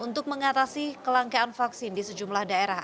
untuk mengatasi kelangkaan vaksin di sejumlah daerah